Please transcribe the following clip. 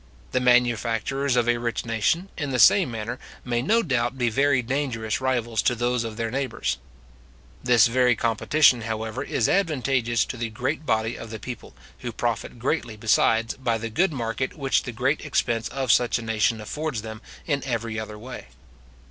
The manufacturers of a rich nation, in the same manner, may no doubt be very dangerous rivals to those of their neighbours. This very competition, however, is advantageous to the great body of the people, who profit greatly, besides, by the good market which the great expense of such a nation affords them in every other way.